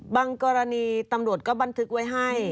กรณีตำรวจก็บันทึกไว้ให้